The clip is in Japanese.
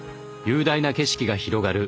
雄大な景色が広がる